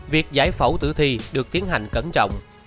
việc giải phẫu tử thi được tiến hành cẩn trọng